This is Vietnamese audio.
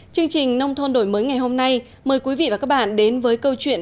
chương trình nông thôn đổi mới ngày hôm nay mời quý vị và các bạn đến với câu chuyện